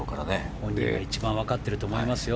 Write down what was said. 本人が一番よくわかっていると思いますよ。